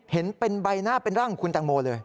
เห็นเป็นใบหน้าเป็นร่างของคุณแตงโมเลย